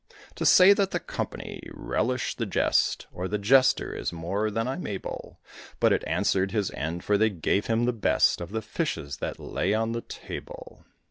To say that the company relished the jest, Or the jester, is more than I'm able; But it answered his end, for they gave him the best Of the fishes that lay on the table.